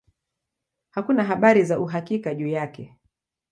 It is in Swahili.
Hakuna habari za uhakika juu yake.